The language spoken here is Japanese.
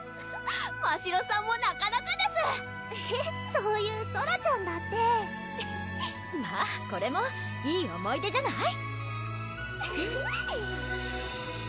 ましろさんもなかなかですそういうソラちゃんだってまぁこれもいい思い出じゃない？